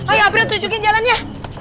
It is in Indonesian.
ayo april tunjukin jalannya